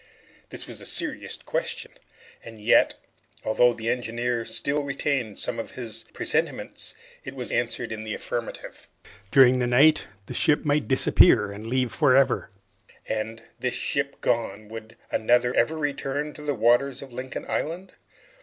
This was a serious question, and yet, although the engineer still retained some of his presentiments, it was answered in the affirmative. During the night the ship might disappear and leave for ever, and, this ship gone, would another ever return to the waters of Lincoln Island?